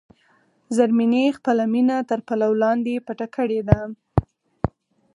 زرمینې خپله مینه تر پلو لاندې پټه کړې ده.